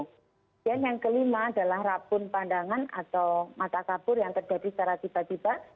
kemudian yang kelima adalah rapun pandangan atau mata kabur yang terjadi secara tiba tiba